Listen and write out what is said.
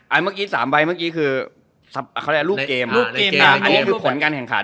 เมื่อกี้สามใบเมื่อกี้คือเขาเรียกรูปเกมรูปเกมอันนี้คือผลการแข่งขัน